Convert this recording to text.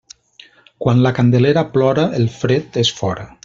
Quan la Candelera plora, el fred és fora.